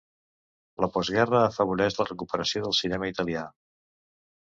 La postguerra afavoreix la recuperació del cinema italià.